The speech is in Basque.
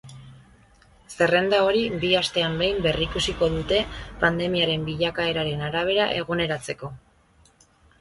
Zerrenda hori bi astean behin berrikusiko dute pandemiaren bilakaeraren arabera eguneratzeko.